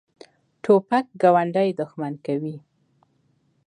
توپک ګاونډي دښمن کوي.